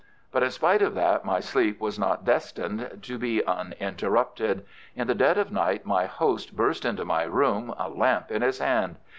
But in spite of that my sleep was not destined to be uninterrupted. In the dead of night my host burst into my room, a lamp in his hand.